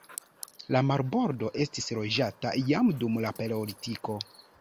La marbordo estis loĝata jam dum la paleolitiko.